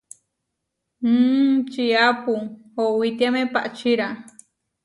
Mmm čiápu oʼowitiáme pahcirá.